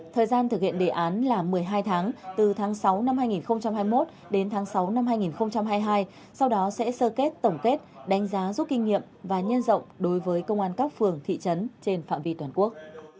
thời gian thực hiện đề án là một mươi hai tháng từ tháng sáu năm hai nghìn hai mươi một đến tháng sáu năm hai nghìn hai mươi hai sau đó sẽ sơ kết tổng kết đánh giá giúp kinh nghiệm và nhân rộng đối với công an các phường thị trấn trên phạm vi toàn quốc